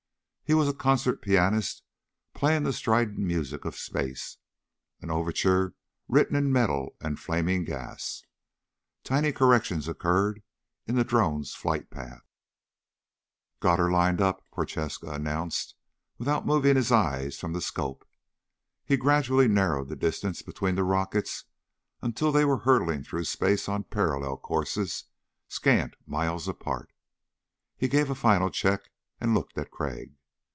He was a concert pianist playing the strident music of space, an overture written in metal and flaming gas. Tiny corrections occurred in the Drone's flight path. "Got her lined up," Prochaska announced without moving his eyes from the scope. He gradually narrowed the distance between the rockets until they were hurtling through space on parallel courses scant miles apart. He gave a final check and looked at Crag.